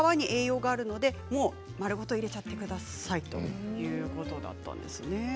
にんじんも皮に栄養があるのでも丸ごと入れちゃってくださいということだったんです。